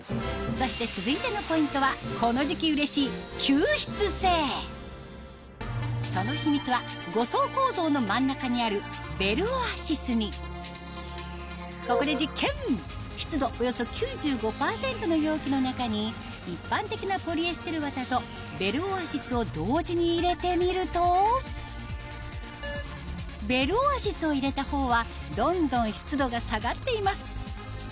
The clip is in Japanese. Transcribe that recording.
そして続いてのポイントはその秘密は５層構造の真ん中にあるベルオアシスにここで実験湿度およそ９５％の容器の中に一般的なポリエステルわたとベルオアシスを同時に入れてみるとベルオアシスを入れた方はどんどん湿度が下がっています